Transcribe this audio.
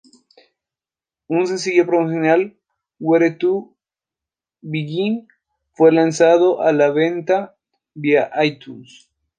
Un sencillo promocional,"Where To Begin" fue lanzado a la venta vía iTunes.